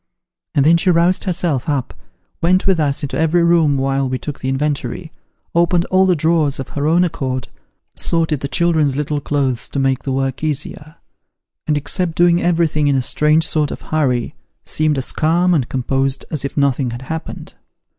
And then she roused herself up, went with us into every room while we took the inventory, opened all the drawers of her own accord, sorted the children's little clothes to make the work easier ; and, except doing everything in a strange sort of hurry, seemed as calm and composed as if nothing had happened.